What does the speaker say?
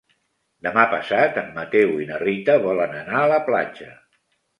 Demà passat en Mateu i na Rita volen anar a la platja.